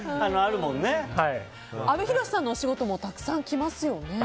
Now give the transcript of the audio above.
阿部寛さんのお仕事もたくさん来ますよね。